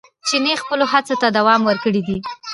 چیني خپلو هڅو ته دوام ورکړی دی.